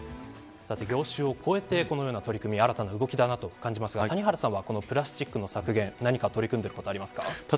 業種を超えてこのような取り組み新たな動きだと感じますが谷原さんはプラスチックの削減何か取り組んでいますか。